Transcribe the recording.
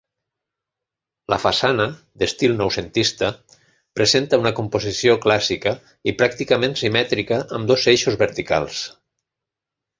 La façana, d'estil noucentista, presenta una composició clàssica i pràcticament simètrica amb dos eixos verticals.